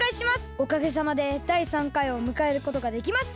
おかげさまでだい３かいをむかえることができました。